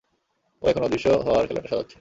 ও এখন অদৃশ্য হওয়ার খেলাটা সাজাচ্ছে।